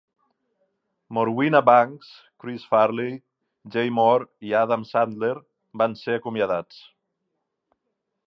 Morwenna Banks, Chris Farley, Jay Mohr i Adam Sandler van ser acomiadats.